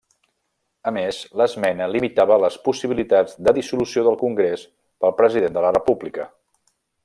A més, l'esmena limitava les possibilitats de dissolució del Congrés pel President de la República.